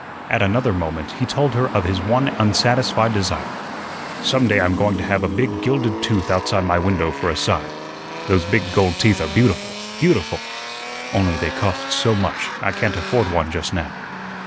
At another moment he told her of his one unsatisfied desire. "Some day I'm going to have a big gilded tooth outside my window for a sign. Those big gold teeth are beautiful, beautiful only they cost so much, I can't afford one just now."